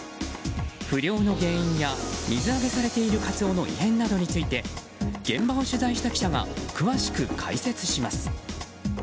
不漁の原因や水揚げされているカツオの異変などについて現場を取材した記者が詳しく解説します。